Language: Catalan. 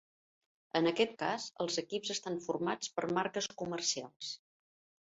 En aquest cas, els equips estan formats per marques comercials.